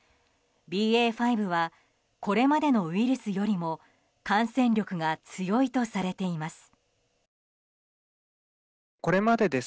ＢＡ．５はこれまでのウイルスよりも感染力が強いとされています。